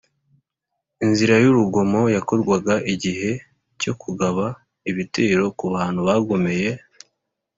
inzira y’urugomo: yakorwaga igihe cyo kugaba ibitero ku bantu bagomeye